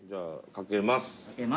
賭けます。